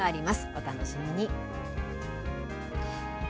お楽しみに。